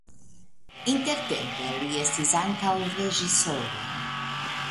Intertempe li estis ankaŭ reĝisoro.